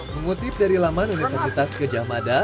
mengutip dari laman universitas kejamada